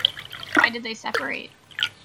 Why did they separate?